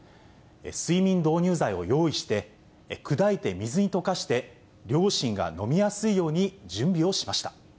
睡眠導入剤を用意して、砕いて水に溶かして、両親が飲みやすいように準備をしました。